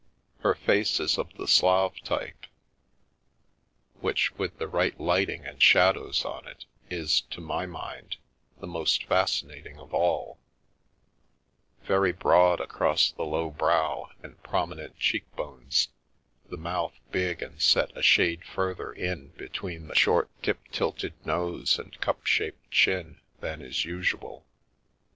Her face is of the Slav type, which, with the right lighting and shadows on it, is, to my mind, the most fascinating of all — very broad across the low brow and prominent cheek bones, the mouth big and set a shade further in between the short tip tilted nose and cup shaped chin than is usual.